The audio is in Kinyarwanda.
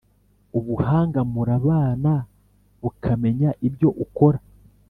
Ubuhanga murabana bukamenya ibyo ukora,